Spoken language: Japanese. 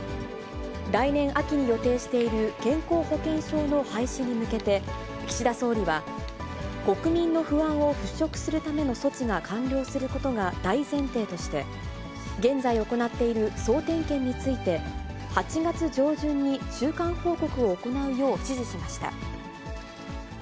来年秋に予定している健康保険証の廃止に向けて、岸田総理は、国民の不安を払拭するための措置が完了することが大前提として、現在行っている総点検について、８月上旬に中間報告を行うよう指示しました。